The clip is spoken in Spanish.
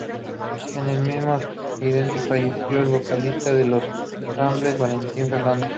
En el mismo accidente falleció el vocalista de Los Ramblers, Valentín Fernández.